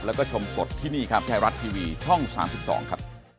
และก็ชมสดที่นี่ไทรัตรีวีช่อง๓๒ครับ